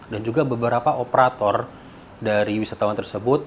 dan juga beberapa operator dari wisatawan tersebut